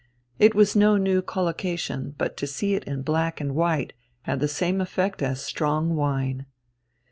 It was no new collocation, but to see it in black on white had the same effect as strong wine.